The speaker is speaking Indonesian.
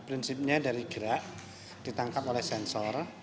prinsipnya dari gerak ditangkap oleh sensor